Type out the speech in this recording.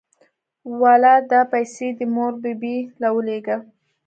واله دا پيسې دې مور بي بي له ولېږه.